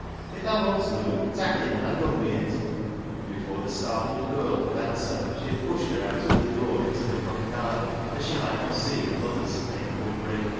If thaa wants Luke, tak' him, and ha' done wi' it," and before the startled girl could answer she had pushed her out of the door into the front garden that she might not see her mother's painful break down.